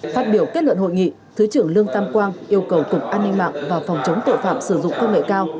phát biểu kết luận hội nghị thứ trưởng lương tam quang yêu cầu cục an ninh mạng và phòng chống tội phạm sử dụng công nghệ cao